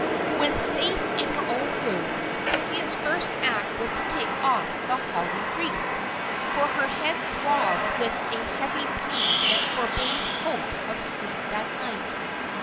When safe in her own room Sylvia's first act was to take off the holly wreath, for her head throbbed with a heavy pain that forbade hope of sleep that night.